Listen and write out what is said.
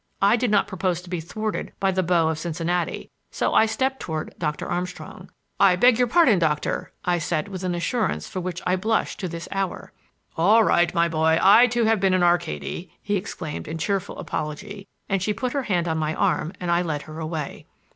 I did not propose to be thwarted by the beaux of Cincinnati, so I stepped toward Doctor Armstrong. "I beg your pardon, Doctor—," I said with an assurance for which I blush to this hour. "All right, my boy; I, too, have been in Arcady!" he exclaimed in cheerful apology, and she put her hand on my arm and I led her away.